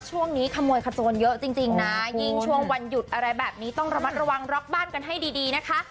ช่วงนี้ขโมยขโจรเยอะจริงนะยิ่งช่วงวันหยุดอะไรแบบนี้ต้องระมัดระวังล็อกบ้านกันให้ดีนะคะ